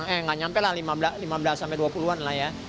eh nggak nyampe lah lima belas sampai dua puluh an lah ya